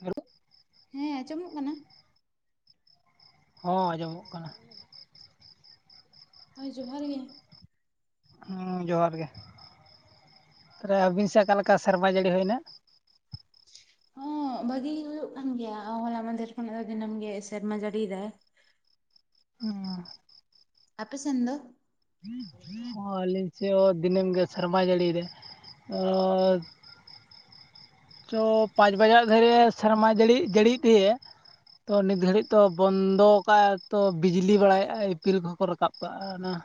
Hello [unintelligible] ᱦᱮᱸ ᱟᱸᱡᱚᱢᱚᱜ ᱠᱟᱱᱟ᱾ ᱦᱚᱸ ᱟᱸᱡᱚᱢᱚᱜ ᱠᱟᱱᱟ᱾ ᱦᱳᱭ ᱡᱚᱦᱟᱨ ᱜᱮ᱾ ᱦᱮᱸ ᱡᱚᱦᱟᱨ ᱜᱮ ᱛᱟᱦᱚᱞᱮ ᱟᱹᱵᱤᱱ ᱥᱮᱫ ᱚᱠᱟᱞᱮᱠᱟ ᱥᱮᱨᱢᱟ ᱡᱟᱹᱲᱤ ᱦᱩᱭᱮᱱᱟ? ᱦᱚᱸ ᱵᱷᱟᱹᱜᱤ ᱜᱮ ᱦᱩᱭᱩᱜ ᱠᱟᱱ ᱜᱮᱭᱟ ᱦᱚᱞᱟ ᱢᱟᱸᱦᱫᱮᱨ ᱠᱷᱚᱱᱟᱜ ᱫᱚ ᱫᱤᱱᱟᱹᱢ ᱜᱮ ᱥᱮᱨᱢᱟ ᱡᱟᱹᱲᱤᱭᱮᱫᱟᱭ᱾ ᱦᱚᱸ ᱟᱯᱮ ᱥᱮᱱ ᱫᱚ [inaudible] ᱚ ᱟᱞᱤᱧ ᱥᱮ ᱦᱚᱸ ᱫᱤᱱᱤᱢ ᱜᱮ ᱥᱨᱢᱟᱭ ᱡᱟᱹᱲᱤ ᱮᱫᱟ᱾ ᱚ ᱛᱚ ᱯᱟᱸᱪ ᱵᱟᱡᱟᱜ ᱫᱷᱟᱹᱨᱮ ᱥᱮᱨᱢᱟ ᱡᱟᱹᱲᱤ ᱡᱟᱹᱲᱤᱜ ᱛᱟᱦᱮᱸᱮ ᱛᱚ ᱱᱤᱛ ᱜᱷᱟᱹᱲᱤᱡ ᱛᱚ ᱵᱚᱱᱫᱚ ᱠᱟᱜᱼᱟ ᱛᱚ ᱵᱤᱡᱽᱞᱤ ᱵᱟᱲᱟᱭᱮᱟᱭᱼᱟ ᱤᱯᱤᱞ ᱠᱚᱦᱚᱸ ᱠᱚ ᱨᱟᱠᱟᱵ ᱠᱟᱜᱼᱟ᱾ ᱟ ᱱᱟᱜ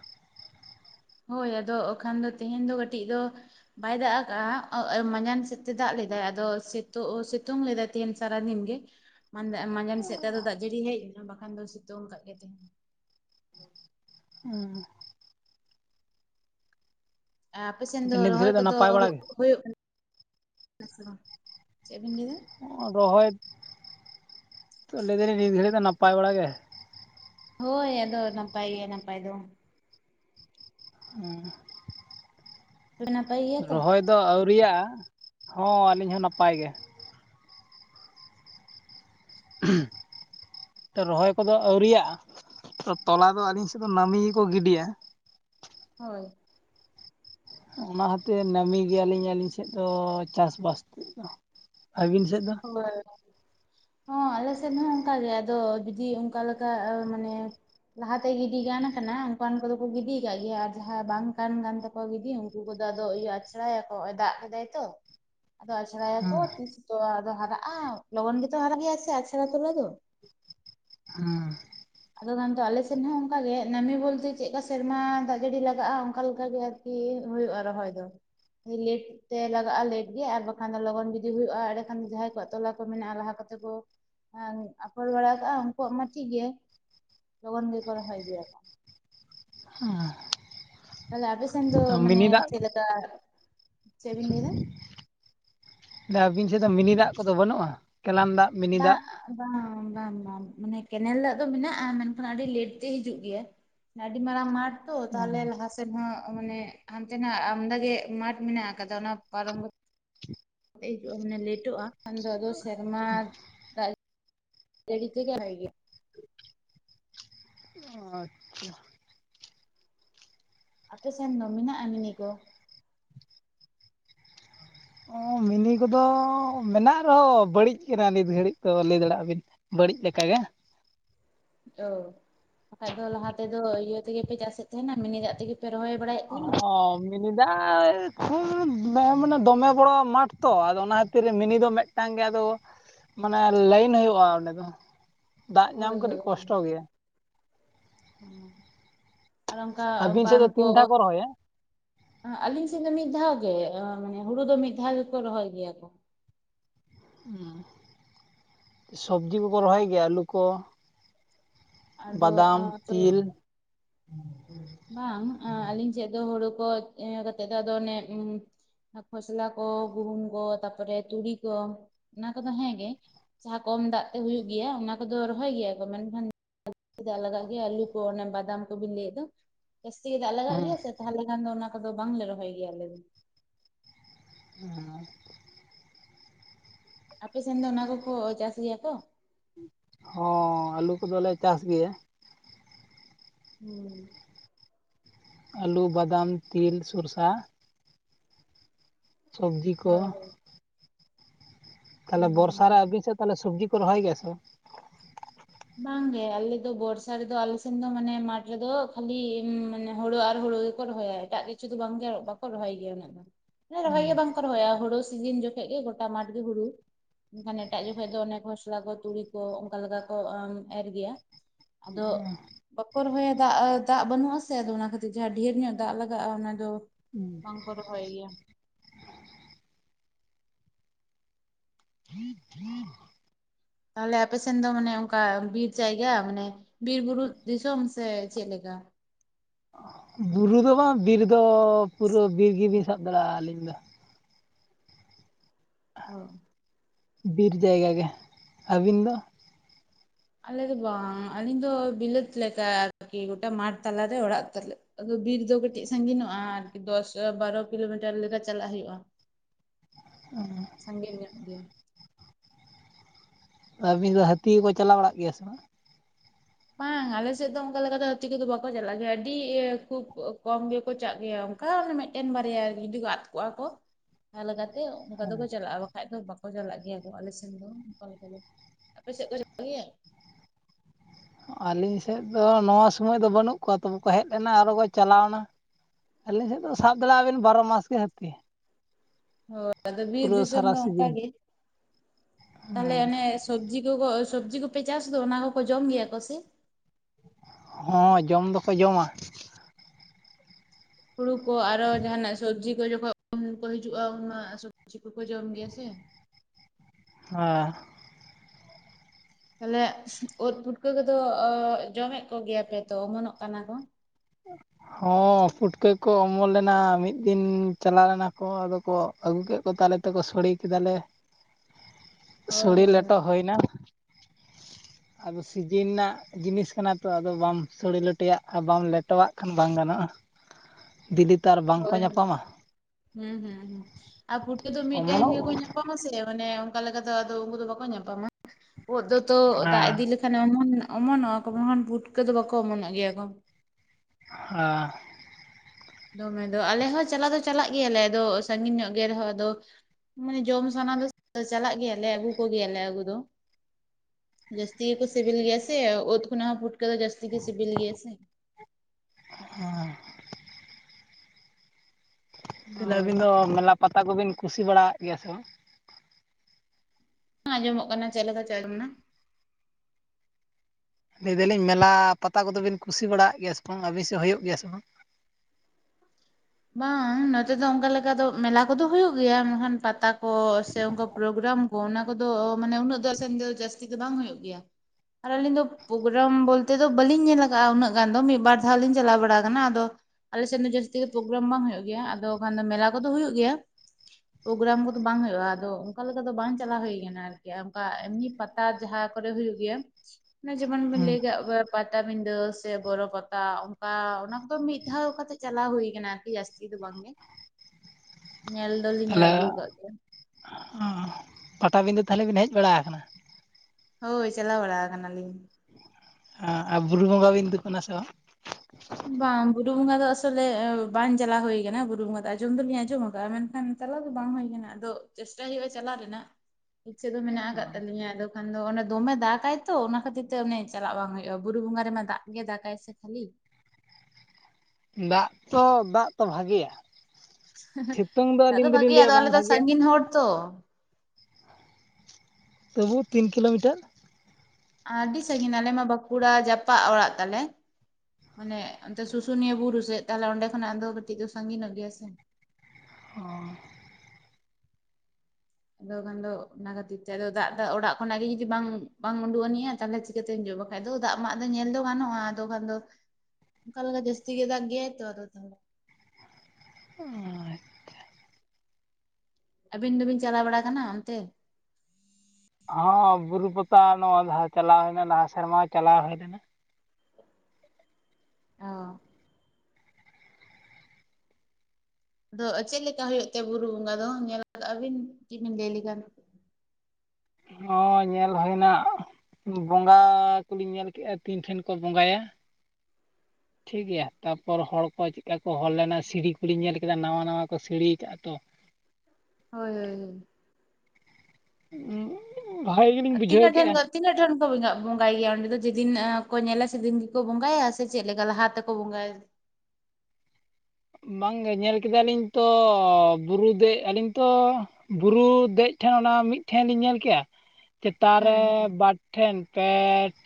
ᱦᱳᱭ ᱟᱫᱚ ᱚᱠᱷᱟᱱ ᱫᱚ ᱛᱮᱦᱮᱧ ᱫᱚ ᱠᱟᱹᱴᱤᱡ ᱫᱚ ᱵᱟᱭ ᱫᱟᱜ ᱟᱠᱟᱫᱼᱟ ᱢᱟᱸᱡᱟᱱ ᱥᱮᱫᱛᱮ ᱫᱟᱜ ᱞᱮᱫᱟᱭ ᱟᱫᱚ ᱥᱤᱛᱩ ᱥᱤᱛᱩᱝ ᱞᱮᱫᱟᱭ ᱛᱮᱦᱮᱧ ᱥᱟᱨᱟᱫᱤᱱ ᱜᱮ᱾ [inaudible] ᱢᱟᱫᱟ ᱢᱟᱸᱡᱟᱱ ᱥᱮᱫ ᱛᱮᱫᱚ ᱫᱟᱜ ᱡᱟᱹᱲᱤ ᱦᱮᱡ ᱮᱱᱟ ᱵᱟᱠᱷᱟᱱ ᱫᱚ ᱥᱤᱛᱩᱝ ᱠᱟᱫ ᱜᱮ ᱛᱟᱦᱮᱱᱟ ᱾ ᱦᱩᱸ ᱟᱯᱮ ᱥᱮᱱ ᱫᱚ ᱱᱤᱛ ᱨᱚᱦᱚᱭ ᱜᱷᱟᱹᱲᱤᱡ ᱠᱚᱫᱚ ᱱᱟᱯᱟᱭ ᱦᱩ ᱵᱟᱲᱟ ᱜᱮ ᱦᱩᱭᱩᱜ ᱠᱟᱱᱟ ᱦᱮᱸ ᱥᱮ ᱵᱟᱝ ᱪᱮᱫ ᱵᱮᱱ ᱞᱟᱹᱭ ᱮᱫᱟ? ᱨᱚᱦᱚᱭ ᱛᱚ ᱞᱟᱹᱭ ᱫᱟᱞᱤᱧ ᱱᱤᱛ ᱜᱷᱟᱹᱲᱤᱡ ᱫᱚ ᱱᱟᱯᱟᱭ ᱵᱟᱲᱟ ᱜᱮ᱾ ᱦᱳᱭ ᱟᱫᱚ ᱱᱟᱯᱟᱭ ᱜᱮ ᱱᱟᱯᱟᱭ ᱫᱚ᱾ ᱦᱮᱸ ᱟᱰᱤ ᱱᱟᱯᱟᱭ ᱜᱮ᱾ ᱨᱚᱦᱚᱭ ᱫᱚ ᱟᱹᱣᱨᱤᱭᱟᱜᱼᱟ ᱦᱚᱸ ᱟᱹᱞᱤᱧ ᱦᱚᱸ ᱱᱟᱯᱟᱭ ᱜᱮ᱾ [inaudible] ᱨᱚᱦᱚᱭ ᱠᱚᱫᱚ ᱟᱹᱣᱨᱤᱟᱜᱼᱟ ᱛᱚᱞᱟ ᱫᱚ ᱟᱞᱤᱧ ᱥᱮᱫ ᱫᱚ ᱱᱟᱹᱢᱤ ᱜᱮᱠᱚ ᱜᱤᱰᱤᱭᱟ᱾ ᱦᱳᱭ ᱚᱱᱟ ᱦᱚᱛᱮ ᱱᱟᱹᱢᱤ ᱜᱮᱭᱟᱞᱤᱧ ᱟᱹᱞᱤᱧ ᱥᱮᱫ ᱫᱚ ᱪᱟᱥᱵᱟᱥ ᱛᱮᱫ ᱫᱚ ᱟᱹᱵᱤᱱ ᱥᱮᱫ ᱫᱚ? [unintelligible] ᱦᱚᱸ ᱟᱞᱮ ᱥᱮᱫ ᱦᱚᱸ ᱚᱱᱠᱟᱜ ᱜᱮ ᱟᱫᱚ ᱡᱩᱫᱤ ᱚᱱᱠᱟ ᱞᱮᱠᱟ ᱢᱟᱱᱮ ᱞᱟᱦᱟᱛᱮ ᱜᱤᱰᱤ ᱜᱟᱱ ᱠᱟᱱᱟ ᱚᱱᱠᱟᱱ ᱠᱚᱫᱚ ᱠᱚ ᱜᱤᱰᱤ ᱠᱟᱫ ᱜᱮᱭᱟ ᱟᱨ ᱡᱟᱦᱟᱸ ᱵᱟᱝ ᱜᱟᱱ ᱠᱟᱱ ᱛᱟᱠᱚᱭᱟ ᱚᱠᱚ ᱜᱤᱫᱤ ᱩᱱᱠᱩ ᱠᱚᱫᱚ ᱟᱫᱚ ᱤᱭᱟᱹ ᱟᱪᱷᱲᱟᱭᱟᱠᱚ ᱦᱚᱜ-ᱚᱭ ᱫᱟᱜ ᱠᱮᱫᱟᱭ ᱛᱚ᱾ ᱟᱫᱚ ᱦᱩᱸ ᱟᱪᱷᱲᱟᱭᱟᱠᱚ ᱛᱤᱥ ᱛᱚ ᱟᱫᱚ ᱦᱟᱨᱟᱜᱼᱟ ᱞᱚᱜᱚᱱ ᱜᱮᱛᱚ ᱦᱟᱨᱟᱜ ᱜᱮᱭᱟ ᱛᱚ ᱟᱪᱷᱲᱟ ᱛᱚᱞᱟ ᱫᱚ᱾ ᱦᱩᱸ ᱟᱫᱚ ᱜᱟᱱ ᱫᱚ ᱟᱞᱮᱥᱮᱱ ᱦᱚᱸ ᱚᱱᱠᱟ ᱜᱮ ᱱᱟᱹᱢᱤ ᱵᱚᱞᱛᱮ ᱪᱮᱫ ᱞᱮᱠᱟ ᱥᱮᱨᱢᱟ ᱫᱟᱜ ᱡ ᱟᱹᱲᱤ ᱞᱟᱜᱟᱜᱼᱟ ᱚᱱᱠᱟ ᱞᱮᱠᱟᱜᱮ ᱤ ᱦᱩᱭᱩᱜᱼᱟ ᱨᱚᱦᱚᱭ ᱫᱚ ᱞᱮᱴ [inaudible] ᱛᱮ ᱞᱟᱜᱟᱜᱼᱟ ᱞᱮᱴ ᱜᱮ ᱟᱨ ᱵᱟᱠᱷᱟᱱ ᱫᱚ ᱞᱚᱜᱚᱱ ᱡᱩᱫᱤ ᱦᱩᱭᱩᱜᱼᱟ ᱮᱸᱰᱮᱠᱷᱟᱱ ᱫᱚ ᱡᱟᱦᱟᱸᱭ ᱠᱚᱣᱟᱜ ᱛᱚᱞᱟ ᱠᱚ ᱢᱮᱱᱟᱜᱼᱟ ᱞᱟᱦᱟ ᱠᱟᱛᱮ ᱠᱚ ᱦᱮ ᱟᱯᱷᱚᱨ ᱵᱟᱲᱟ ᱠᱟᱜᱼᱟ ᱩᱱᱠᱩᱣᱟᱜ ᱢᱟ ᱴᱷᱤᱠ ᱜᱮᱭᱟ ᱞᱚᱜᱚᱱ ᱜᱮ ᱠᱚ ᱨᱚᱦᱚᱭ ᱜᱮᱭᱟ ᱟᱸ ᱛᱟᱦᱚᱞᱮ ᱟᱯᱮ ᱥᱮᱱ ᱫᱚ ᱢᱟᱱᱮ ᱪᱮᱫ ᱞᱮᱠᱟ? ᱪᱮᱫ ᱵᱤᱱ ᱞᱟᱹᱭ ᱮᱫᱟ ᱟᱹᱵᱤᱱ ᱥᱮᱫ ᱫᱚ ᱢᱤᱱᱤ ᱫᱟᱜ ᱠᱚᱫᱚ ᱵᱟᱹᱱᱩᱜᱼᱟ ᱠᱮᱞᱟᱱ ᱫᱟᱜ ᱢᱤᱱᱤ ᱫᱟᱜ ᱵᱟᱝ ᱵᱟᱝ ᱵᱟᱝ ᱵᱟᱝ ᱢᱟᱱᱮ ᱠᱮᱱᱮᱞ ᱫᱟᱜ ᱫᱚ ᱢᱮᱱᱟᱜᱼᱟ ᱢᱮᱱᱠᱷᱟᱱ ᱟᱹᱰᱤ ᱞᱮᱴ ᱛᱮ ᱦᱤᱡᱩᱜ ᱜᱮᱭᱟ ᱟᱹᱰᱤ ᱢᱟᱨᱟᱝ ᱢᱟᱴᱷ ᱛᱚ, ᱛᱟᱦᱚᱞᱮ ᱞᱟᱦᱟ ᱥᱮᱱ ᱦᱚᱸ ᱢᱟᱱᱮ ᱦᱟᱱᱛᱮ ᱱᱟᱜ ᱟᱢᱫᱟ ᱜᱮ ᱢᱟᱴᱷ ᱢᱮᱱᱟᱜ ᱟᱠᱟᱫᱟ ᱚᱱᱟ ᱯᱟᱨᱚᱢ ᱦᱤᱡᱩᱜᱼᱟ ᱢᱟᱱᱮ ᱞᱮᱴᱚᱜᱼᱟ ᱠᱷᱟᱱ ᱫᱚ ᱟᱫᱚ ᱥᱮᱨᱢᱟ ᱜᱟᱹᱲᱤ ᱛᱮᱜᱮ ᱵᱷᱟᱜᱮ ᱜᱮᱭᱟ ᱦᱳᱭ ᱟᱯᱮ ᱥᱮᱱ ᱫᱚ ᱢᱮᱱᱟᱜ-ᱟ ᱢᱤᱱᱤ ᱠᱚ? ᱚᱻ ᱢᱤᱱᱤ ᱠᱚᱫᱚ ᱢᱮᱱᱟᱜ ᱨᱮᱦᱚᱸ ᱵᱟᱹᱲᱤᱡ ᱠᱟᱱᱟ ᱱᱤᱛ ᱜᱷᱟᱹᱲᱤᱡ ᱛᱚ ᱞᱟᱹᱭ ᱫᱟᱲᱮᱭᱟᱜᱼᱟ ᱵᱤᱱ ᱵᱟᱹᱲᱤᱡ ᱞᱮ ᱞᱮᱠᱟ ᱜᱮ᱾ ᱚ ᱵᱟᱠᱷᱟᱡ ᱫᱚ ᱞᱟᱦᱟ ᱛᱮᱫᱚ ᱤᱭᱟᱹ ᱛᱮᱜᱮᱯᱮ ᱪᱟᱥᱮᱫ ᱛᱟᱦᱮᱱᱟ ᱢᱤᱱᱤ ᱫᱟᱜ ᱛᱮᱜᱮ ᱯᱮ ᱨᱚᱦᱚᱭ ᱵᱟᱲᱟᱭᱮᱫ ᱛᱟᱦᱮᱱᱟ [unintelligible] ᱢᱤᱱᱤ ᱫᱟᱜ ᱠᱷᱩᱵ ᱢᱟᱱᱮ ᱫᱚᱢᱮ ᱵᱚᱲᱚ ᱢᱟᱴᱷ ᱛᱚ ᱟᱫᱚ ᱚᱱᱟ ᱠᱷᱟᱹᱛᱤᱨ ᱢᱤᱱᱤ ᱫᱚ ᱢᱮᱫ ᱢᱤᱫᱴᱟᱝ ᱜᱮ ᱟᱫᱚ ᱢᱟᱱᱮ ᱞᱟᱭᱤᱱ ᱦᱩᱭᱩᱜᱼᱟ ᱚᱸᱰᱮ ᱫᱚ ᱫᱟᱜ ᱧᱟᱢ ᱦᱳᱭ ᱦᱳᱭ ᱠᱟᱹᱴᱤᱡ ᱦᱳᱭ᱾ ᱠᱚᱥᱴᱚ ᱜᱮᱭᱟ ᱟᱨ ᱚᱱᱠᱟ ᱟᱹᱵᱤᱱ ᱥᱮᱫ ᱵᱟᱸᱫ ᱫᱚ ᱠᱚ ᱛᱤᱱ ᱫᱷᱟᱣ ᱨᱚᱦᱚᱭᱟ ᱟᱞᱤᱧ ᱥᱮᱫ ᱫᱚ ᱢᱤᱫ ᱫᱷᱟᱣ ᱜᱮ, ᱢᱟᱱᱮ ᱦᱩᱲᱩ ᱫᱚ ᱢᱤᱫ ᱫᱷᱟᱣ ᱜᱮᱠᱚ ᱨᱚᱦᱚᱭ ᱜᱮᱭᱟ ᱠᱚ᱾ ᱥᱚᱵᱽᱡᱤ ᱠᱚᱠᱚ ᱨᱚᱦᱚᱭ ᱜᱮᱭᱟ ᱟᱹᱞᱩ ᱠᱚ᱾ ᱟᱫᱚ ᱵᱟᱫᱟᱢ ᱟᱸ ᱛᱚ ᱛᱤᱞ ᱵᱟᱝ ᱟᱹᱞᱤᱧ ᱴᱮᱫ ᱫᱚ ᱦᱩᱲᱩ ᱠᱚ ᱤᱭᱟᱹ ᱠᱟᱛᱮᱜ ᱫᱚ ᱟᱫᱚ ᱚᱱᱮ ᱠᱷᱚᱥᱞᱟ ᱠᱚ ᱜᱩᱦᱩᱢ ᱠᱚ ᱛᱟᱯᱚᱨᱮ ᱛᱩᱲᱤ ᱠᱚ ᱚᱱᱟ ᱠᱚᱫᱚ ᱦᱮᱸ ᱜᱮ ᱡᱟᱦᱟᱸ ᱠᱚᱢ ᱫᱟᱜ ᱛᱮ ᱦᱳᱭᱳᱜ ᱜᱮᱭᱟ ᱚᱱᱟ ᱠᱚᱫᱚ ᱨᱚᱦᱚᱭ ᱜᱮᱭᱟ ᱠᱚ ᱢᱮᱱᱠᱷᱟᱱ ᱪᱮᱫᱟᱜ ᱞᱟᱜᱟᱜ ᱜᱮᱭᱟ ᱟᱹᱞᱩ ᱠᱚ ᱚᱱᱟ ᱵᱟᱫᱟᱢ ᱠᱚᱵᱤᱱ ᱞᱟᱹᱭᱮᱫ ᱫᱚ ᱡᱟᱹᱥᱛᱤ ᱜᱮ ᱫᱟᱜ ᱞᱟᱜᱟᱜ ᱦᱮᱸ ᱜᱮᱭᱟ ᱥᱮ ᱛᱟᱦᱚᱞᱮ ᱠᱷᱟᱱ ᱫᱚ ᱚᱱᱟ ᱠᱚᱫᱚ ᱵᱟᱝᱞᱮ ᱨᱚᱦᱚᱭ ᱜᱮᱭᱟ ᱟᱞᱮ ᱫᱚ ᱚ ᱟᱯᱮᱥᱱ ᱫᱚ ᱚᱱᱟ ᱠᱚᱠᱚ ᱪᱟᱥ ᱜᱮᱭᱟ ᱠᱚ ᱦᱚᱸ ᱟᱞᱩ ᱠᱚᱫᱚ ᱞᱮ ᱪᱟᱥ ᱜᱮᱭᱟ᱾ ᱦᱩᱸ ᱟᱹᱞᱩ ᱵᱟᱫᱟᱢ ᱛᱤᱞ ᱥᱚᱨᱥᱟ ᱥᱚᱵᱽᱡᱤ ᱠᱚ ᱦᱳᱭ ᱦᱳᱭ ᱛᱟᱦᱚᱞᱮ ᱦᱩᱸ ᱵᱚᱨᱥᱟ ᱨᱮ ᱦᱩᱸ ᱟᱵᱤᱥᱮᱫ ᱛᱟᱦᱚᱞᱮ ᱥᱚᱵᱽᱡᱤ ᱠᱚ ᱨᱚᱦᱚᱭ ᱜᱮᱭᱟ ᱥᱮ ᱵᱟᱝᱜᱮ ᱟᱞᱮᱫᱚ ᱵᱚᱨᱥᱟ ᱨᱮᱫᱚ ᱟᱞᱮᱥᱮᱱ ᱫᱚ ᱢᱟᱱᱮ ᱢᱟᱴᱷ ᱨᱮᱫᱚ ᱠᱷᱟᱹᱞᱤ ᱢᱟᱱᱮ ᱦᱩᱲᱩ ᱟᱨ ᱦᱩᱲᱩ ᱵᱟᱠᱚ ᱨᱚᱦᱚᱭᱟ ᱮᱴᱟᱜ ᱠᱤᱪᱷᱩ ᱵᱟᱝᱜᱮ ᱵᱟᱠᱚ ᱨᱚᱦᱚᱭ ᱜᱮᱭᱟ ᱩᱱᱟᱹᱜ ᱫᱚ᱾ ᱮ ᱨᱚᱦᱚᱭ ᱜᱮ ᱵᱟᱝᱠᱚ ᱨᱚᱦᱚᱭᱟ ᱦᱩᱲᱳ ᱥᱤᱡᱤᱱ ᱡᱚᱠᱷᱚᱡ ᱜᱮ ᱜᱚᱴᱟ ᱢᱟᱴᱷ ᱜᱮ ᱦᱩᱲᱩ ᱢᱮᱱᱠᱷᱟᱱ ᱮᱴᱟᱜ ᱡᱚᱠᱷᱚᱱ ᱫᱚ ᱚᱱᱮᱠ ᱜᱚᱥᱞᱟ ᱠᱚ ᱛᱩᱲᱤ ᱠᱚ ᱚᱱᱠᱟ ᱞᱮᱠᱟ ᱠᱚ ᱮᱨ ᱜᱮᱭᱟ ᱟᱫᱚ [inaudible] ᱵᱟᱠᱚ ᱨᱚᱦᱚᱭᱟ ᱫᱟᱜ ᱵᱟᱹᱱᱩᱜ ᱟᱼᱟᱥᱮ ᱟ ᱚᱱᱟ ᱠᱷᱟᱹᱛᱤᱨ ᱡᱟᱦᱟᱸ ᱰᱷᱮᱨ ᱧᱚᱜ ᱫᱟᱜ ᱞᱟᱜᱟᱜᱼᱟ ᱚᱱᱟ ᱫᱚ ᱵᱟᱝ ᱠᱚ ᱨᱚᱦᱚᱭ ᱜᱮᱭᱟ ᱦᱩᱸ ᱛᱟᱦᱚᱞᱮ ᱟᱯᱮᱥᱱ ᱫᱚ ᱢᱟᱱᱮ ᱚᱱᱠᱟ ᱵᱤᱨ ᱡᱟᱭᱜᱟ ᱢᱟᱱᱮ ᱵᱤᱨ ᱵᱩᱨᱩ ᱫᱤᱥᱚᱢ ᱥᱮ ᱪᱮᱫ ᱞᱮᱠᱟ [inaudible] ᱵᱩᱨᱩ ᱫᱚ ᱵᱟᱝ ᱵᱤᱨ ᱫᱚ ᱯᱩᱨᱟᱹ ᱵᱤᱨ ᱜᱮᱵᱤᱱ ᱥᱟᱵ ᱫᱟᱲᱮᱼᱟ ᱟᱹᱞᱤᱧ ᱫᱚ ᱚ ᱵᱤᱨ ᱡᱟᱭᱜᱟ ᱜᱮ ᱟᱹᱵᱤᱱ ᱫᱚ ᱟᱞᱮ ᱫᱚ ᱵᱟᱝ ᱟᱞᱤᱧ ᱫᱚ, ᱵᱤᱞᱟᱛ ᱞᱮᱠᱟ ᱟᱨᱠᱤ ᱜᱚᱴᱟ ᱢᱟᱴᱷ ᱛᱚᱞᱟ ᱨᱮ ᱚᱲᱟᱜ ᱛᱟᱞᱮ᱾ ᱟᱫᱚ ᱵᱤᱨ ᱫᱚ ᱠᱟᱹᱴᱤᱡ ᱥᱟᱜᱤᱧᱚᱜᱼᱟ ᱟᱨᱠᱤ ᱫᱚᱥ ᱵᱟᱨᱚ ᱠᱤᱞᱳᱢᱤᱴᱟᱨ ᱞᱮᱠᱟ ᱪᱟᱞᱟᱜ ᱦᱩᱭᱩᱜᱼᱟ᱾ ᱦᱮ ᱥᱟᱜᱮᱧ ᱧᱚᱜ ᱜᱮ ᱟᱹᱵᱤᱱ ᱫᱚ ᱦᱟᱹᱛᱤ ᱠᱚᱠᱚ ᱪᱟᱞᱟᱣ ᱵᱟᱲᱟᱜ ᱜᱮᱭᱟ ᱥᱮ ᱵᱟᱝ ᱵᱟᱝ ᱟᱞᱮ ᱥᱮᱫ ᱫᱚ ᱚᱝᱠᱟ ᱞᱮᱠᱟ‌ ᱫᱚ ᱦᱟᱛᱤ ᱠᱚᱫᱚ ᱵᱟᱠᱚ ᱪᱟᱞᱟᱜ ᱜᱮᱭᱟ ᱟᱹᱰᱤ ᱠᱷᱩᱵ ᱠᱚᱢ ᱜᱮᱠᱚ ᱪᱟᱜ ᱜᱮᱭᱟ ᱠᱟ ᱢᱤᱫᱴᱮᱱ ᱵᱟᱨᱭᱟ ᱡᱩᱫᱤ ᱠᱚ ᱟᱫ ᱠᱚᱜᱼᱟ ᱠᱚ ᱚᱱᱟ ᱞᱮᱠᱟᱛᱮ ᱚᱝᱠᱟ ᱛᱮᱠᱚ ᱪᱟᱞᱟᱜᱼᱟ ᱵᱟᱠᱷᱟᱱ ᱫᱚ ᱵᱟᱝ ᱠᱚ ᱪᱟᱞᱟᱜ ᱜᱮᱭᱟ ᱠᱚ ᱟᱞᱮ ᱥᱮᱱ ᱫᱚ ᱚᱱᱠᱟ ᱞᱮᱠᱟ ᱟᱯᱮ ᱥᱮᱫ ᱠᱚ ᱪᱟᱞᱟᱜ ᱜᱮᱭᱟ ᱟᱞᱤᱧ ᱥᱮᱫ ᱫᱚ ᱱᱚᱣᱟ ᱥᱩᱢᱚᱭ ᱫᱚ ᱵᱟᱹᱱᱩᱜ ᱠᱚᱣᱟ ᱛᱚᱵᱮ ᱠᱚ ᱦᱮᱡ ᱮᱱᱟ ᱟᱨ ᱠᱚ ᱪᱟᱞᱟᱣᱱᱟ ᱟᱞᱮ ᱥᱮᱫ ᱫᱚ ᱥᱟᱵ ᱫᱟᱲᱮᱭᱟᱜ-ᱟ ᱵᱮᱱ ᱵᱟᱨᱚ ᱢᱟᱥ ᱜᱮ ᱦᱟᱛᱤ ᱦᱚᱭ ᱟᱫᱚ ᱵᱤᱨ ᱫᱤᱥᱚᱢ ᱥᱟᱨᱟ ᱫᱚ ᱥᱤᱡᱤᱱ ᱚᱝᱠᱟᱜ ᱜᱮ ᱛᱟᱦᱞᱮ ᱚᱱᱮ ᱥᱚᱵᱽᱡᱤ ᱠᱚᱠᱚ ᱥᱚᱵᱡᱤ ᱠᱚᱯᱮ ᱪᱟᱥ ᱫᱚ ᱚᱱᱟ ᱠᱚᱠᱚ ᱡᱚᱢ ᱜᱮᱭᱟ ᱠᱚ ᱥᱮ ᱦᱚᱸ ᱡᱚᱢ ᱫᱚᱠᱚ ᱡᱚᱢᱟ ᱦᱩᱲᱩ ᱠᱚ ᱟᱨᱚ ᱡᱟᱦᱟᱱᱟᱜ ᱥᱚᱵᱽᱡᱤ ᱠᱚ ᱡᱚᱠᱷᱚᱱ ᱠᱚ ᱦᱤᱡᱩᱜᱼᱟ ᱚᱱᱟ ᱥᱚᱵ ᱪᱮᱫ ᱠᱚᱠᱚ ᱡᱚᱢ ᱜᱮᱭᱟ ᱥᱮ ᱦᱚᱸ ᱛᱟᱞᱦᱮ ᱳᱫ ᱯᱩᱴᱠᱟᱹ ᱠᱚᱫᱚ ᱡᱚᱢᱮᱫ ᱠᱚ ᱜᱮᱭᱟᱯᱮ ᱛᱚ ᱚᱢᱚᱱᱚᱜ ᱠᱟᱱᱟ ᱠᱚ ᱦᱮ [inaudible] ᱦᱚᱸ ᱯᱩᱴᱠᱟᱹ ᱠᱚ ᱚᱢᱚᱞ ᱞᱮᱱᱟ ᱢᱤᱫ ᱫᱤᱱ ᱪᱟᱞᱟᱣ ᱞᱮᱱᱟ ᱠᱚ ᱟᱫᱚ ᱠᱚ ᱟᱹᱜᱩ ᱠᱮᱫ ᱠᱚ ᱛᱟᱞᱮ ᱛᱮᱠᱚ ᱥᱚᱲᱮᱹ ᱠᱮᱫᱟᱞᱮ ᱦᱳᱭ ᱥᱚᱲᱮᱹ ᱦᱳᱭ ᱞᱮᱴᱚ ᱦᱩᱭᱱᱟ ᱟᱫᱚ ᱥᱤᱡᱤ ᱨᱮᱱᱟᱜ ᱡᱤᱱᱤᱥ ᱠᱟᱱᱟ ᱛᱚ ᱟᱫᱚ ᱵᱟᱢ ᱥᱚᱲᱮ ᱞᱚᱴᱮᱭᱟᱜ ᱟ ᱵᱟᱢ ᱞᱮᱴ ᱞᱮᱴᱚᱣᱟᱜ ᱠᱷᱟᱱ ᱵᱟᱝ ᱜᱟᱱᱚᱜᱼᱟ ᱫᱤᱫᱤ ᱛᱟᱨ ᱦᱳᱭ ᱦᱚᱸ ᱦᱩᱸ ᱦᱩᱸ ᱦᱩᱸ ᱟᱨ ᱯᱩᱴᱠᱟᱹ ᱫᱚ ᱢᱤᱫᱴᱮᱱ ᱚᱢᱚᱱᱚᱜ ᱜᱮᱠᱚ ᱧᱟᱢ ᱧᱟᱯᱟᱢᱟ ᱥᱮ ᱢᱟᱱᱮ ᱚᱝᱠᱟ ᱩᱝᱠᱩ ᱫᱚ ᱵᱟᱠᱚ ᱧᱟᱯᱟᱢᱟ ᱩᱫ ᱫᱚᱛᱚ ᱫᱟᱜ ᱦᱮᱸ ᱤᱫᱤ ᱞᱮᱠ ᱠᱷᱟᱱ ᱚᱢᱚᱱ ᱚᱢᱚᱱᱚᱜᱼᱟ ᱠᱚ ᱵᱟᱠᱷᱟᱱ ᱯᱩᱴᱠᱟᱹ ᱫᱚ ᱵᱟᱠᱚ ᱚᱢᱚᱱᱚᱜ ᱜᱮᱭᱟ ᱠᱚ ᱚ ᱫᱚᱢᱮ ᱫᱚ ᱟᱞᱮ ᱦᱚᱸ ᱪᱟᱞᱟᱣ ᱫᱚ ᱪᱟᱞᱟᱜ ᱜᱮᱭᱟᱞᱮ ᱟᱫᱚ ᱥᱟᱺᱜᱤᱧ ᱧᱚᱜ ᱜᱮ ᱨᱮᱦᱚᱸ ᱟᱫᱚ ᱢᱟᱱᱮ ᱡᱚᱢ ᱥᱟᱱᱟ ᱫᱚ ᱪᱟᱞᱟᱜ ᱜᱮᱭᱟᱞᱮ ᱟᱜᱩ ᱠᱚ ᱜᱮᱭᱟᱞᱮ ᱟᱜᱩ ᱫᱚ ᱡᱟᱹᱥᱛᱤ ᱜᱮᱠᱚ ᱥᱤᱵᱤᱞ ᱜᱮᱭᱟ ᱥᱮ ᱳᱫ ᱠᱷᱚᱱᱟᱜ ᱦᱚᱸ ᱯᱩᱴᱠᱟᱹ ᱫᱚ ᱡᱟᱹᱥᱛᱤ ᱠᱚ ᱥᱤᱵᱤᱞ ᱜᱮᱭᱟ ᱥᱮ ᱦᱩᱸ ᱛᱟᱞᱦᱮ ᱦᱳᱭ ᱟᱹᱵᱤᱱ ᱫᱚ ᱢᱮᱞᱟ ᱯᱟᱛᱟ ᱠᱚᱵᱤᱱ ᱠᱩᱥᱤ ᱵᱟᱲᱟᱣᱟᱜ ᱜᱮᱭᱟ ᱥᱮ ᱵᱟᱝ ᱵᱟᱝ ᱟᱸᱡᱚᱢᱚᱜ ᱠᱟᱱᱟ ᱪᱮᱫ ᱞᱮᱠᱟ [unintelligible] ᱞᱟᱹᱭ ᱫᱟᱞᱤᱧ ᱢᱮᱞᱟ ᱯᱟᱛᱟ ᱠᱚᱫᱚᱵᱤᱱ ᱠᱩᱥᱤ ᱵᱟᱲᱟᱜ ᱜᱮᱭᱟ ᱥᱮ ᱵᱟᱝ ᱟᱹᱵᱤᱱ ᱥᱮᱫ ᱦᱩᱭᱩᱜ ᱜᱮᱭᱟ ᱥᱮ ᱵᱟᱝ ᱵᱟᱝ ᱱᱚᱛᱮ ᱫᱚ ᱚᱝᱠᱟ ᱞᱮᱠᱟ ᱫᱚ ᱢᱮᱞᱟ ᱠᱚᱫᱚ ᱦᱩᱭᱩᱜ ᱜᱮᱭᱟ ᱢᱮᱱᱠᱷᱟᱱ ᱯᱟᱛᱟ ᱠᱚ ᱥᱮ ᱚᱝᱠᱟ ᱯᱨᱳᱜᱨᱟᱢ ᱠᱚ ᱚᱱᱟ ᱠᱚᱫᱚ ᱢᱟᱱᱮ ᱩᱱᱟᱹᱜ ᱫᱚ ᱡᱟᱥᱛᱤ ᱫᱚ ᱡᱟᱹᱥᱛᱤ ᱫᱚ ᱵᱟᱝ ᱦᱩᱭᱩᱜ ᱜᱮᱭᱟ ᱟᱨ ᱟᱹᱞᱤᱧ ᱫᱚ ᱯᱨᱳᱜᱨᱟᱢ ᱵᱚᱞᱛᱮ ᱫᱚ ᱵᱟᱹᱞᱤᱧ ᱧᱮᱞ ᱟᱠᱟᱜᱼᱟ ᱩᱱᱟᱹᱜ ᱜᱟᱱ ᱫᱚ ᱢᱤᱫᱵᱟᱨ ᱫᱷᱟᱣ ᱞᱤᱧ ᱪᱟᱞᱟᱣ ᱵᱟᱲᱟᱣ ᱠᱟᱱᱟ ᱟᱫᱚ ᱟᱞᱮ ᱥᱮᱫ ᱫᱚ ᱡᱟᱹᱥᱛᱤ ᱫᱚ ᱯᱨᱳᱜᱨᱟᱢ ᱵᱟᱝ ᱦᱩᱭᱩᱜ ᱜᱮᱭᱟ ᱟᱫᱚ ᱢᱟᱱᱮ ᱢᱮᱞᱟ ᱠᱚᱫᱚ ᱦᱩᱭᱩᱜ ᱜᱮᱭᱟ ᱯᱨᱳᱜᱨᱟᱢ ᱠᱚᱫᱚ ᱵᱟᱝ ᱦᱩᱭᱩᱜ-ᱟ ᱟᱫᱚ ᱚᱝᱠᱟ ᱞᱮᱠᱟ ᱫᱚ ᱵᱟᱝ ᱪᱟᱞᱟᱣ ᱦᱩᱭ ᱠᱟᱱᱟ ᱟᱨᱠᱤᱚᱱ ᱮᱢᱱᱤ‌ ᱯᱟ ᱛᱟᱨ ᱡᱟᱦᱟᱸ ᱠᱚᱨᱮ ᱦᱩᱭᱩᱜ ᱜᱮᱭᱟ ᱚᱱᱮ ᱡᱮᱢᱚᱱ ᱵᱮᱱ ᱦᱮᱸ ᱞᱟᱹᱭ ᱠᱮᱫ ᱫᱚ ᱯᱟᱴᱟᱵᱤᱸᱫᱟᱹ ᱥᱮ ᱵᱚᱨᱚ ᱯᱟᱛᱟ ᱚᱱᱠᱟ ᱚᱱᱟ ᱠᱚᱫᱚ ᱢᱤᱫ ᱫᱷᱟᱣ ᱠᱟᱛᱮ ᱪᱟᱞᱟᱣ ᱦᱩᱭ [unintelligible] ᱟᱨᱠᱤ ᱡᱟᱹᱥᱛᱤ ᱫᱚ ᱵᱟᱝᱜᱮ ᱧᱮᱞ ᱫᱚᱞᱤᱧ ᱧᱮᱞ ᱟᱹᱜᱩ ᱠᱟᱫ ᱠᱚᱣᱟ ᱚ, ᱯᱟᱴᱟᱵᱤᱸᱫᱷᱟᱹ ᱛᱟᱦᱞᱮ ᱵᱮᱱ ᱦᱮᱡ ᱵᱟᱲᱟ ᱠᱟᱱᱟ ᱦᱳᱭ ᱪᱟᱞᱟᱣ ᱵᱟᱲᱟ ᱟᱠᱟᱱᱟ ᱞᱤᱧ ᱟ ᱟᱨ ᱵᱩᱨᱩ ᱵᱚᱸᱜᱟ ᱵᱤᱱ ᱫᱩᱠᱟᱱᱟ ᱥᱮ ᱵᱟᱝ ᱵᱟᱝ ᱵᱩᱨᱩ ᱵᱚᱸᱜᱟ ᱫᱚ ᱟᱥᱚᱞᱮ ᱵᱟᱝ ᱪᱟᱞᱟᱣ ᱦᱩᱭ ᱠᱟᱱᱟ ᱵᱩᱨᱩ ᱵᱚᱸᱜᱟ ᱫᱚ ᱟᱡᱸᱚᱢ ᱫᱚᱞᱤᱧ ᱟᱸᱡᱚᱢ ᱟᱠᱟᱜᱼᱟ ᱢᱮᱱᱠᱷᱟᱱ ᱪᱟᱞᱟᱣ ᱫᱚ ᱵᱟᱝ ᱦᱩᱭ ᱠᱟᱱᱟ ᱟᱫᱚ ᱪᱮᱥᱴᱟᱭ ᱦᱩᱭᱩᱜᱼᱟ ᱪᱟᱞᱟᱜ ᱨᱮᱱᱟᱜ ᱤᱪᱪᱷᱟᱹ ᱫᱚ ᱢᱮᱱᱟᱜ ᱟᱠᱟᱫ ᱛᱟᱹᱞᱤᱧᱟ ᱟᱫᱚ ᱠᱷᱟᱱ ᱫᱚ ᱫᱚᱢᱮ ᱫᱟᱠᱟᱭ ᱛᱚ ᱚᱱᱟ ᱠᱷᱟᱹᱛᱤᱨ ᱛᱮ ᱚᱱᱮ ᱪᱟᱞᱟᱜ ᱵᱟᱝ ᱦᱩᱭᱩᱜᱼᱟ ᱵᱩᱨᱩ ᱵᱚᱸᱜᱟ ᱨᱮᱢᱟ ᱫᱟᱜ ᱜᱮ ᱫᱟᱜᱟᱭ ᱥᱮ ᱠᱷᱟᱹᱞᱤ ᱫᱟᱜ ᱛᱚ ᱫᱟᱜ ᱛᱚ ᱵᱷᱟᱜᱮᱭᱟ ᱥᱤᱛᱩᱝ ᱫᱚ ᱟᱫᱚ ᱟᱹᱞᱤᱧ ᱫᱚᱞᱤᱧ ᱵᱟᱹᱜᱤᱭᱟ ᱞᱟᱹᱭᱟ ᱟᱫᱚ ᱵᱟᱝ ᱟᱞᱮ ᱫᱚ ᱵᱷᱟᱜᱮᱭᱟ ᱥᱺᱜᱤᱱ ᱦᱚᱲ ᱛᱚ ᱛᱟᱵᱩ ᱛᱤᱱ ᱠᱤᱞᱳᱢᱤᱴᱟᱨ ᱟᱹᱰᱤ ᱥᱟᱺᱜᱤᱧ ᱟᱞᱮᱢᱟ ᱵᱟᱸᱠᱩᱲᱟ ᱡᱟᱯᱟᱜ ᱚᱲᱟᱜ ᱛᱟᱞᱮ ᱢᱟᱱᱮ ᱚᱱᱛᱮ ᱥᱩᱥᱩᱱᱤᱭᱟᱹ ᱵᱩᱨᱩ ᱥᱮᱫ ᱛᱟᱦᱚᱞᱮ ᱚᱸᱰᱮ ᱠᱷᱚᱱᱟᱜ ᱫᱚ ᱠᱟᱹᱴᱤᱡ ᱫᱚ ᱥᱟᱺᱜᱤ ᱧᱚᱜ ᱜᱮᱭᱟ ᱥᱮ ᱚ ᱟᱫᱚ ᱠᱷᱟᱱ ᱫᱚ ᱚᱱᱟ ᱠᱷᱟᱹᱛᱤᱨ ᱛᱮ ᱫᱟᱜ ᱫᱟ ᱚᱲᱟᱜ ᱠᱷᱚᱱᱟᱜ ᱜᱮ ᱡᱩᱫᱤ ᱵᱟᱝ ᱵᱟᱝ ᱩᱰᱩᱜ ᱟᱱᱤᱜ-ᱟ ᱛᱟᱦᱚᱞᱮ ᱪᱤᱠ ᱪᱤᱠᱟᱹᱛᱮᱢ ᱡᱚᱢᱟ ᱵᱟᱠᱷᱟᱡ ᱫᱚ ᱫᱟᱜ ᱢᱟᱜ ᱫᱚ ᱧᱮᱞ ᱫᱚ ᱜᱟᱱᱚᱜᱼᱟ ᱟᱫᱚ ᱠᱷᱟᱱ ᱫᱚ ᱚᱠᱟ ᱞᱮᱠᱟ ᱡᱟᱥᱛᱤ ᱜᱮ ᱫᱟᱠ ᱜᱮᱭᱟᱭ ᱛᱚ ᱟᱫᱚ [inaudible] ᱟᱹᱵᱤᱱ ᱫᱚᱵᱤᱱ ᱪᱟᱞᱟᱣ ᱵᱟᱲᱟ ᱠᱟᱱᱟ ᱚᱱᱛᱮ ᱦᱚᱸ ᱵᱩᱨᱩ ᱯᱟᱛᱟ ᱱᱚᱣᱟ ᱫᱟᱣ ᱪᱟᱞᱟᱣ ᱦᱩᱭᱱᱟ ᱞᱟᱦᱟ ᱥᱮᱨᱢᱟ ᱪᱟᱞᱟᱣ ᱦᱩᱭ ᱞᱮᱱᱟ ᱚ ᱫᱚ ᱪᱮᱫ ᱞᱮᱠᱟ ᱦᱩᱭᱩᱜ ᱛᱮ ᱵᱩᱨᱩ ᱵᱚᱸᱜᱟ ᱫᱚ ᱧᱮᱞ ᱟᱠᱟᱵᱤᱱ ᱡᱚᱪᱤ ᱵᱤᱱ ᱞᱟᱹᱭ ᱞᱮᱜᱟᱱ ᱦᱳ ᱧᱮᱞ ᱦᱩᱭᱱᱟ ᱵᱚᱸᱜᱟ ᱠᱚᱞᱤᱧ ᱧᱮᱞ ᱠᱮᱜᱼᱟ ᱛᱤᱱ ᱴᱷᱮᱱ ᱠᱚ ᱵᱚᱸᱜᱟᱭᱟ ᱴᱷᱤᱠ ᱜᱮᱭᱟ ᱛᱟᱯᱚᱨ ᱦᱚᱲ ᱠᱚ ᱪᱮᱫ ᱞᱮᱠᱟ ᱠᱚ ᱦᱚᱨ ᱞᱮᱱᱟ ᱥᱤᱲᱤ ᱠᱚᱞᱤᱧ ᱧᱮᱞ ᱠᱮᱫᱟ ᱱᱟᱣᱟ ᱱᱟᱣᱟ ᱠᱚ ᱥᱤᱲᱤ ᱠᱟᱜ-ᱟ ᱛᱚ ᱦᱳᱭ ᱦᱳᱭ ᱦᱳᱭ ᱵᱷᱟᱜᱮ ᱜᱮᱞᱤᱧ ᱛᱤᱱᱟᱹ ᱵᱩᱡᱷᱟᱹᱣ ᱠᱮᱜᱼᱟ ᱴᱮᱱᱰ ᱜᱟᱛ ᱛᱤᱱᱟᱹᱜ ᱴᱷᱮᱱ ᱠᱚ ᱵᱚᱸᱜᱟᱭ ᱜᱮᱭᱟ ᱚᱸᱰᱮ ᱫᱚ ᱡᱮᱫᱤᱱ ᱠᱚ ᱧᱮᱞᱟ ᱥᱮᱫᱤᱱ ᱜᱮᱠᱚ ᱵᱚᱸᱜᱟᱭᱟ ᱥᱮ ᱪᱮᱫ ᱞᱮᱠᱟ ᱞᱟᱦᱟ ᱛᱮᱠᱚ ᱵᱚᱸᱜᱟᱭᱟ ᱵᱟᱝᱜᱮ ᱧᱮᱞ ᱠᱮᱫᱟᱞᱤᱧ ᱛᱚ ᱵᱩᱨᱩ ᱫᱮᱡ ᱟᱹᱞᱤᱧ ᱛᱚ ᱵᱩᱨᱩ ᱫᱮᱡ ᱴᱷᱮᱱ ᱚᱱᱟ ᱢᱤᱫᱴᱷᱮᱱ ᱞᱤᱧ ᱧᱮᱞ ᱠᱮᱜᱼᱟ ᱪᱮᱛᱟᱱ ᱦᱮᱸ ᱨᱮ ᱦᱮᱸ᱾ ᱵᱟᱨ ᱴᱷᱮᱱ ᱯᱮ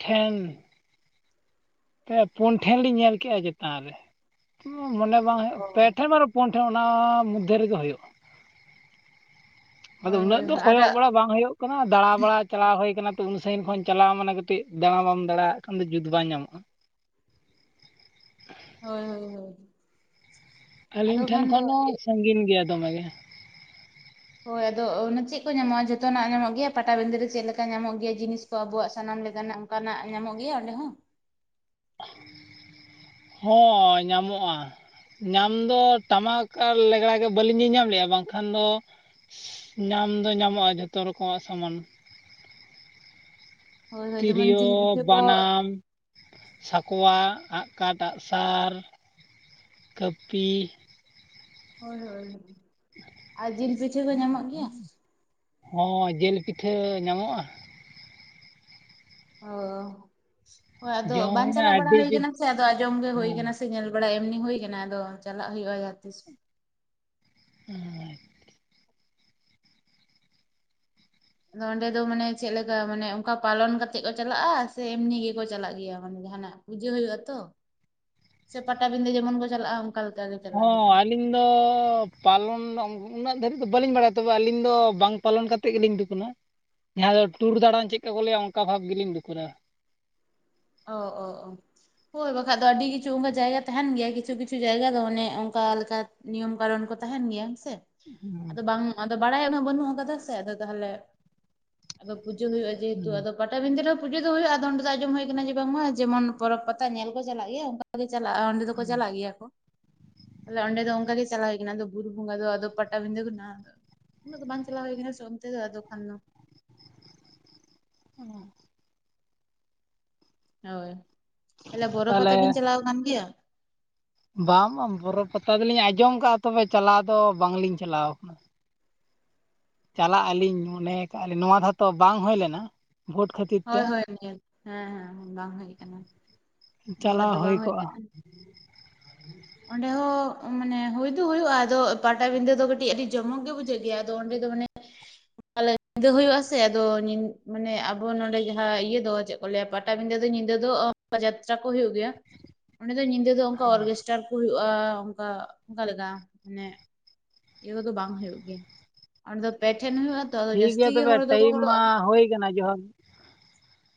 ᱴᱷᱮᱱ ᱮ ᱯᱩᱱ ᱴᱷᱮᱱ ᱞᱤᱧ ᱧᱮᱞ ᱠᱮᱫᱼᱟ ᱪᱮᱛᱟᱱ ᱨᱮ ᱢᱚᱱᱮ ᱵᱟᱝ ᱚ ᱦᱩᱭᱩᱜ ᱯᱮ ᱴᱷᱮᱱ ᱢᱟ ᱯᱚᱱ ᱴᱷᱮᱱ ᱚᱱᱟ ᱢᱚᱫᱽᱫᱷᱮ ᱨᱮᱜᱮ ᱦᱩᱭᱩᱜᱼᱟ ᱟᱫᱚ ᱦᱳᱭ ᱩᱱᱟᱹᱜ ᱦᱳᱭ ᱫᱚ ᱦᱳᱭ ᱟᱨ ᱠᱚᱭᱚᱜ ᱵᱟᱲᱟ ᱵᱟᱝ ᱦᱩᱭᱩᱜ ᱠᱟᱱᱟ ᱫᱟᱬᱟ ᱵᱟᱲᱟ ᱪᱟᱞᱟᱣ ᱦᱩᱭ ᱠᱟᱱᱟ ᱛᱚ ᱩᱱ ᱥᱟᱺᱜᱤᱧ ᱠᱷᱚᱱ ᱪᱟᱞᱟᱣ ᱢᱟᱱᱮ ᱠᱟᱹᱴᱤᱡ ᱫᱟᱬᱟ ᱵᱟᱢ ᱫᱟᱟᱲᱟ ᱟᱜ ᱠᱷᱟᱱ ᱫᱚ ᱡᱩᱛ ᱵᱟᱝ ᱧᱟᱢᱚᱜᱼᱟ ᱦᱳᱭ ᱦᱳᱭ ᱦᱳᱭ ᱟᱫᱚ ᱟᱹᱞᱤᱧ ᱴᱷᱮᱱ ᱠᱷᱟᱱ ᱫᱚ ᱠᱷᱚᱱ ᱦᱚᱸ ᱥᱟᱺᱜᱤᱧ ᱜᱮᱭᱟ ᱫᱚᱢᱮ ᱜᱮ ᱦᱳᱭ ᱟᱫᱚ ᱪᱮᱫ ᱠᱚ ᱧᱟᱢᱚᱜᱼᱟ ᱡᱚᱛᱚᱱᱟᱜ ᱧᱟᱢᱚᱜ ᱜᱮᱭᱟ ᱯᱟᱴᱟᱵᱤᱸᱫᱟᱹ ᱨᱮ ᱪᱮᱫ ᱞᱮᱠᱟ ᱧᱟᱢᱚᱜ ᱜᱮᱭᱟ ᱡᱤᱱᱤᱥ ᱛᱚ ᱟᱵᱚᱣᱟᱜ ᱥᱟᱱᱟᱢ ᱞᱮᱠᱟᱱᱟᱜ ᱚᱱᱠᱟᱱᱟᱜ ᱧᱟᱢᱚᱜ ᱜᱮᱭᱟ ᱚᱸᱰᱮ ᱦᱚᱸ ᱦᱳᱭ ᱧᱟᱢᱚᱜᱼᱟ ᱧᱟᱢ ᱫᱚ ᱴᱟᱢᱟᱠ ᱟᱨ ᱞᱮᱜᱽᱲᱟ ᱜᱮ ᱵᱟᱹᱞᱤᱧ ᱧᱮᱞᱧᱟᱢ ᱞᱮᱜᱼᱟ ᱵᱟᱝᱠᱷᱟᱱ ᱫᱚ ᱧᱟᱢ ᱫᱚ ᱧᱟᱢᱚᱜᱼᱟ ᱡᱷᱚᱛᱚ ᱨᱚᱠᱚᱢᱟᱜ ᱥᱟᱢᱟᱱ ᱦᱳᱭ ᱦᱳᱭ ᱡᱮᱢᱚᱱ ᱛᱤᱨᱭᱳ ᱡᱤᱞ ᱯᱤᱴᱷᱟᱹ ᱠᱚ ᱵᱟᱱᱟᱢ ᱥᱟᱠᱣᱟ ᱟᱜ ᱠᱟᱴ ᱟᱜᱥᱟᱨ ᱠᱟᱹᱯᱤ ᱦᱳᱭ ᱦᱳᱭ ᱟᱨ ᱡᱤᱞ ᱯᱤᱴᱷᱟᱹ ᱠᱚ ᱧᱟᱢᱚᱜ ᱜᱮᱭᱟ? ᱦᱚᱸ ᱡᱤᱞ ᱯᱤᱴᱷᱟᱹ ᱧᱟᱢᱚᱜᱼᱟ ᱚ ᱟᱫᱚ ᱡᱚᱢ ᱵᱟᱝ ᱦᱩᱭᱱᱟ ᱪᱟᱞᱟᱣ ᱵᱟᱲᱟ ᱟᱹᱰᱤ ᱦᱩᱭ ᱡᱩᱛ ᱠᱟᱱᱟ ᱥᱮ ᱟᱫᱚ ᱟᱸᱡᱚᱢ ᱜᱮ ᱦᱩᱭ ᱦᱮᱸ ᱠᱟᱱᱟ ᱥᱮ ᱧᱮᱞ ᱵᱟᱲᱟᱭ ᱮᱢᱱᱤ ᱦᱩᱭ ᱠᱟᱱᱟ ᱟᱫᱚ ᱪᱟᱞᱟᱜ ᱦᱩᱭᱩᱜᱼᱟ ᱡᱟᱦᱟ ᱛᱤᱥ ᱦᱩᱸ ᱟᱫᱚ ᱚᱸᱰᱮ ᱫᱚ ᱢᱟᱱᱮ ᱪᱮᱫ ᱞᱮᱠᱟ ᱢᱟᱱᱮ ᱚᱱᱠᱟ ᱯᱟᱞᱚᱱ ᱠᱟᱛᱮᱜ ᱠᱚ ᱪᱟᱞᱟᱜᱼᱟ ᱥᱮ ᱮᱢᱱᱤ ᱜᱮᱠᱚ ᱪᱟᱞᱟᱜ ᱜᱮᱭᱟ ᱢᱟᱱᱮ ᱡᱟᱦᱟᱱᱟᱜ ᱯᱩᱡᱟᱹ ᱦᱩᱭᱩᱜᱼᱟ ᱛᱚ [inaudible] ᱥᱮ ᱯᱟᱴᱟᱵᱤᱸᱫᱟᱹ ᱡᱮᱢᱚᱱ ᱠᱚ ᱪᱟᱞᱟᱜᱼᱟ᱾ ᱞᱮᱠᱟ ᱜᱮ ᱪᱟᱞᱟᱜ ᱦᱮᱸ ᱦᱩᱭᱩᱜᱼᱟ ᱟᱹᱞᱤᱧ ᱫᱚ ᱯᱟᱞᱚᱱ ᱞᱚᱝ ᱩᱱᱟᱹᱜ ᱫᱷᱟᱹᱨᱤᱡ ᱫᱚ ᱵᱟᱹᱞᱤᱧ ᱵᱟᱲᱟᱭᱟ ᱛᱚᱵᱮ ᱟᱹᱞᱤᱧ ᱫᱚ ᱵᱟᱝ ᱯᱟᱞᱚᱱ ᱠᱟᱛᱮᱫ ᱜᱮᱞᱤᱧ ᱫᱩᱠᱠᱟᱹᱱᱟ ᱡᱟᱦᱟᱸ ᱫᱚ ᱴᱩᱨ ᱫᱟᱬᱟᱱ ᱪᱮᱫᱠᱟ ᱠᱚ ᱞᱟᱹᱭᱟ ᱚᱱᱠᱟ ᱵᱷᱟᱵᱽ ᱜᱮᱞᱤᱧ ᱫᱩᱠᱟᱹᱨᱟ ᱚ ᱚ ᱚ ᱦᱳᱭ ᱵᱟᱠᱷᱟᱡ ᱫᱚ ᱟᱹᱰᱤ ᱠᱤᱪᱷᱩ ᱚᱱᱠᱟ ᱡᱟᱭᱜᱟ ᱛᱟᱦᱮᱱ ᱜᱮᱭᱟ ᱠᱤᱪᱷᱩ ᱠᱤᱪᱷᱩ ᱡᱟᱭᱜᱟ ᱫᱚ ᱚᱱᱮ ᱚᱱᱠᱟ ᱞᱮᱠᱟ ᱱᱤᱭᱚᱢ ᱠᱟᱨᱚᱱ ᱠᱚ ᱛᱟᱦᱮᱱ ᱜᱮᱭᱟ ᱦᱮᱸ ᱥᱮ ᱦᱩᱸ ᱟᱫᱚ ᱵᱟᱝ ᱟᱫᱚ ᱵᱟᱲᱟᱭ ᱩᱱᱟᱹᱜ ᱵᱟᱹᱱᱩᱜ ᱠᱟᱫᱟ ᱥᱮ ᱟᱫᱚ ᱛᱟᱦᱚᱞᱮ ᱟᱫᱚ ᱯᱩᱡᱟᱹᱳ ᱦᱩᱭᱩᱜᱼᱟ ᱡᱮᱦᱮᱛᱩ ᱦᱩᱸ ᱟᱫᱚ ᱯᱟᱴᱟᱵᱤᱱᱫᱟᱹ ᱨᱮᱦᱚ ᱯᱩᱡᱟᱹ ᱫᱚ ᱦᱩᱭᱩᱜᱼᱟ ᱟᱫᱚ ᱚᱸᱰᱮ ᱫᱚ ᱟᱸᱡᱚᱢ ᱦᱩᱭ ᱠᱟᱱᱟ ᱡᱮ ᱵᱟᱝ ᱢᱟ ᱡᱮᱢᱚᱱ ᱯᱚᱨᱚᱵᱽ ᱯᱟᱛᱟ ᱧᱮᱞ ᱠᱚ ᱪᱟᱞᱟᱜ ᱜᱮᱭᱟ ᱚᱱᱠᱟ ᱜᱮ ᱪᱟᱞᱟᱜᱼᱟ ᱚᱸᱰᱮ ᱫᱚᱠᱚ ᱪᱟᱞᱟᱜ ᱜᱮᱭᱟ ᱠᱚ ᱛᱟᱦᱚᱞᱮ ᱚᱱᱰᱮ ᱫᱚ ᱚᱝᱠᱟ ᱜᱮ ᱪᱟᱞᱟᱣ ᱦᱩᱭ ᱠᱟᱱᱟ ᱫᱚ ᱵᱩᱨᱩ ᱵᱚᱝᱜᱟ ᱫᱚ ᱟᱫᱚ ᱯᱟᱴᱟᱵᱤᱸᱴᱟᱹ ᱫᱚ ᱦᱟᱜ ᱩᱱᱟᱜ ᱫᱚ ᱵᱟᱝ ᱪᱟᱞᱟᱣ ᱦᱩᱭ ᱠᱟᱱᱟ ᱥᱮ ᱚᱱᱛᱮ ᱫᱚ ᱟᱫᱚ ᱠᱷᱟᱱ ᱫᱚ [unintelligible] ᱦᱳᱭ ᱛᱟᱦᱞᱮ ᱵᱚᱨᱚ ᱯᱟᱛᱟ ᱛᱟᱦᱚᱞᱮ ᱵᱤᱱ ᱪᱟᱞᱟᱣ ᱠᱟᱱ ᱜᱮᱭᱟ? ᱵᱟᱝ ᱵᱟᱝ ᱵᱚᱨᱚ ᱯᱟᱛᱟ ᱫᱚᱞᱤᱧ ᱟᱸᱡᱚᱢ ᱠᱟᱜᱼᱟ ᱛᱚᱵᱮ ᱪᱟᱞᱟᱣ ᱫᱚ ᱵᱟᱝ ᱞᱤᱧ ᱪᱟᱞᱟᱣ ᱠᱟᱱᱟ᱾ ᱪᱟᱞᱟᱜ ᱟᱹᱞᱤᱧ ᱢᱚᱱᱮ ᱟᱠᱟᱜᱼᱟ ᱞᱤᱧ ᱱᱚᱣᱟ ᱫᱷᱟᱣᱛᱚ ᱵᱟᱝ ᱦᱩᱭ ᱞᱮᱱᱟ᱾ ᱵᱷᱳᱴ ᱠᱷᱟᱹᱛᱤ ᱦᱳᱭ ᱦᱳᱭ ᱱᱤᱭᱟᱹ ᱦᱮᱸ ᱦᱮᱸ ᱵᱟᱝ ᱦᱩᱭ ᱟᱠᱟᱱᱟ᱾ ᱱᱤᱭᱟᱹ ᱵᱟᱨ ᱪᱟᱞᱟᱣ ᱫᱚ ᱦᱩᱭ ᱵᱟᱝ ᱠᱚᱜᱼᱟ᱾ ᱟᱠᱟᱱᱟ ᱚᱸᱰᱮ ᱦᱚᱸ ᱢᱟᱱᱮ ᱦᱩᱭ ᱫᱚ ᱦᱩᱭᱩᱜᱼᱟ ᱟᱫᱚ ᱯᱟᱴᱟᱵᱤᱸᱫᱟᱹ ᱫᱚ ᱠᱟᱹᱴᱤᱡ ᱟᱹᱰᱤ ᱡᱚᱢᱚᱠ ᱜᱮ ᱵᱩᱡᱷᱟᱹᱜ ᱜᱮᱭᱟ᱾ ᱛᱚ ᱚᱸᱰᱮ ᱫᱚ ᱢᱟᱱᱮ ᱯᱟᱞᱮ ᱧᱤᱫᱟᱹ ᱦᱩᱭᱩᱜᱼᱟ ᱥᱮ ᱟᱫᱚ ᱢᱟᱱᱮ ᱟᱵᱚ ᱱᱚᱸᱰᱮ ᱡᱟᱦᱟᱸ ᱤᱭᱟᱹ ᱫᱚ ᱪᱮᱜ ᱠᱚ ᱞᱟᱹᱭᱟ ᱯᱟᱴᱟᱵᱤᱸᱫᱟᱹ ᱫᱚ ᱧᱤᱫᱟᱹ ᱫᱚ ᱡᱟᱛᱨᱟ ᱠᱚ ᱦᱩᱭᱩᱜ ᱜᱮᱭᱟ ᱚᱸᱰᱮ ᱫᱚ ᱧᱤᱫᱟᱹ ᱫᱚ ᱚᱝᱠᱟ ᱚᱨᱜᱮᱥᱴᱟᱨ ᱠᱚ ᱦᱩᱭᱩᱜᱼᱟ ᱚᱝᱠᱟ ᱚᱝᱠᱟ ᱞᱮᱫᱟ ᱢᱟᱱᱮ ᱤᱭᱟᱹ ᱠᱚᱫᱚ ᱵᱟᱝ ᱦᱩᱭᱩᱜ ᱜᱮ ᱟᱫᱚ ᱯᱮ ᱴᱷᱮᱱ ᱦᱩᱭᱩᱜᱼᱟ ᱛᱚ ᱟᱫᱚ ᱴᱷᱤᱠ ᱡᱟᱹᱥᱛᱤ ᱜᱮᱭᱟ ᱜᱮ ᱛᱚᱵᱮ ᱦᱚᱲ ᱫᱚᱠᱚ ᱴᱟᱭᱤᱢ ᱢᱟ ᱦᱚᱲᱚᱜᱼᱟ᱾ ᱦᱩᱭ ᱠᱟᱱᱟ ᱡᱚᱦᱟᱨ